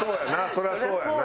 そりゃそうやな。